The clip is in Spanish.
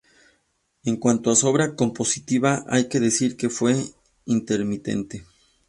En cuanto a su obra compositiva hay que decir que fue intermitente.